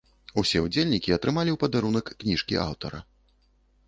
Усе ўдзельнікі атрымалі ў падарунак кніжкі аўтара.